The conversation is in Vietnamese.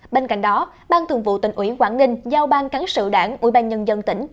bên cạnh đó bang thường vụ tỉnh ủy quảng ninh giao bang cắn sự đảng ủy ban nhân dân tỉnh